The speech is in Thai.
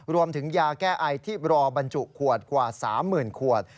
รวมถึงยาแก้ไอที่รอบรรจุขวดกว่า๓๐๐๐ขวด